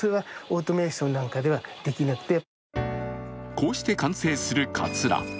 こうして完成するかつら。